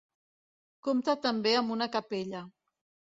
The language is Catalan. Compte també amb una capella.